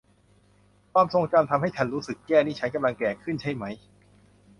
ความทรงจำทำให้ฉันรู้สึกแย่ นี่ฉันกำลังแก่ขึ้นใช่ไหม